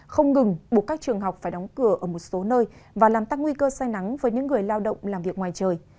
không ngừng buộc các trường học phải đóng cửa ở một số nơi và làm tăng nguy cơ say nắng với những người lao động làm việc ngoài trời